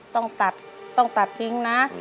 ต้องตัดต้องตัดทิ้งนะ